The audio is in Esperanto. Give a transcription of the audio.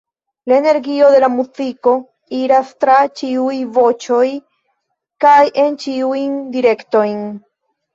La energio de la muziko iras tra ĉiuj voĉoj kaj en ĉiujn direktojn.